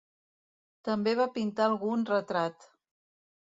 També va pintar algun retrat.